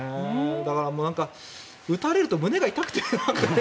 だから打たれると胸が痛くて。